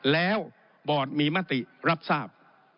แล้วบอร์ดมีมติรับทราบ